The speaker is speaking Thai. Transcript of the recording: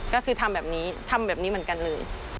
ก็คือทำแบบนี้ทำแบบนี้เหมือนกันเลย